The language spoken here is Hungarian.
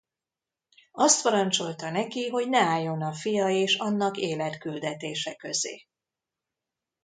Azt parancsolta neki, hogy ne álljon a fia és annak életküldetése közé.